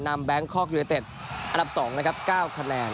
แบงคอกยูเนเต็ดอันดับ๒นะครับ๙คะแนน